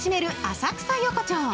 浅草横町。